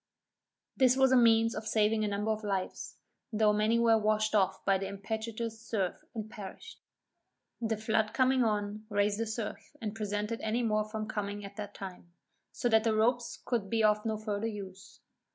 This was a means of saving a number of lives, though many were washed off by the impetuous surf, and perished. The flood coming on, raised the surf, and prevented any more from coming at that time, so that the ropes could be of no further use.